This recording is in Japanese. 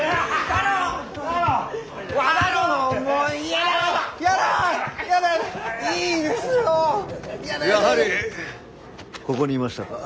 やはりここにいましたか。